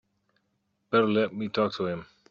Better let me talk to him.